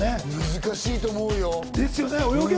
難しいと思うよ。